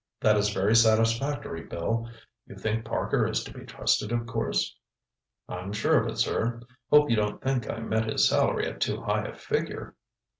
"That is very satisfactory, Bill. You think Parker is to be trusted, of course?" "I'm sure of it, sir. Hope you don't think I set his salary at too high a figure?"